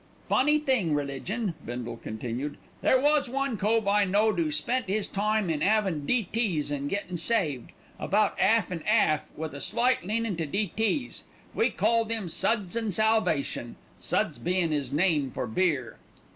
"Funny thing, religion," Bindle continued. "There was one cove I know'd 'oo spent 'is time in 'avin' D.T.'s and gettin' saved, about 'alf an' 'alf, with a slight leanin' to D.T.'s. We called 'im Suds an' Salvation, 'suds' bein' 'is name for beer.